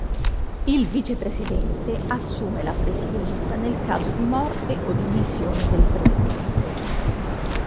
Il vicepresidente assume la presidenza nel caso di morte o dimissione del presidente.